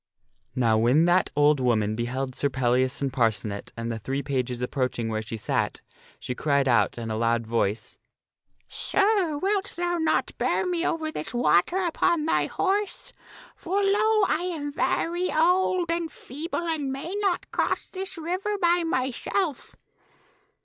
Now when that old woman beheld Sir Pellias and Parcenet and the three pages approaching where she sat, she cried out in a loud voice, " Sir, wilt thou not bear me over this water upon thy horse ? For, lo ! I am very old and feeble and may not cross this river by myself."